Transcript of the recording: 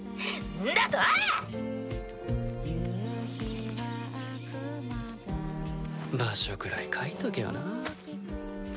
んだと⁉場所くらい書いとけよな。